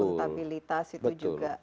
akuntabilitas itu juga